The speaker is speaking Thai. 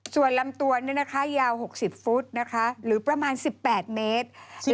ส่วนลำตัวยาว๖๐ฟุตนะคะหรือประมาณ๑๘เมตร